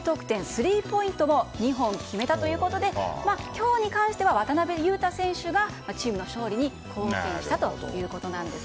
スリーポイントも２本決めたということで今日に関しては、渡邊雄太選手がチームの勝利に貢献したということです。